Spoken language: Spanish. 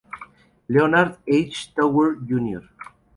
Leonard H. Tower Jr.